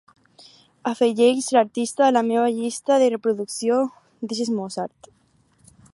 Afegeix l'artista a la meva llista de reproducció "This is Mozart".